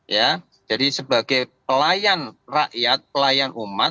ya jadi sebagai pelayan rakyat pelayan umat